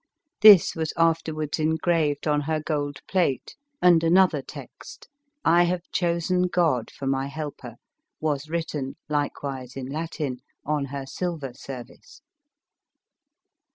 This was afterwards engraved on her gold plate, and another text — "I have chosen God for my helper" — was written, likewise in Latin, on her silver service.